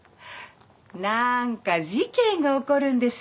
なんか事件が起こるんですよ